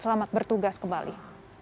selamat bertugas kembali